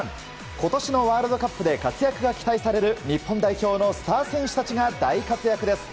今年のワールドカップで活躍が期待される日本代表のスター選手たちが大活躍です。